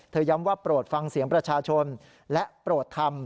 ย้ำว่าโปรดฟังเสียงประชาชนและโปรดธรรม